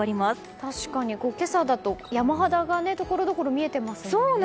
確かに、今朝だと山肌がところどころ見えていますよね。